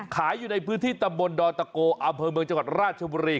อยู่ในพื้นที่ตำบลดอนตะโกอำเภอเมืองจังหวัดราชบุรี